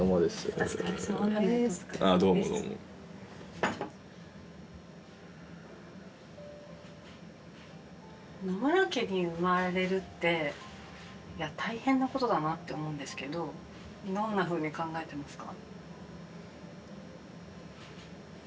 お疲れさまですあっどうもどうも野村家に生まれるって大変なことだなって思うんですけどどんなふうに考えてますか？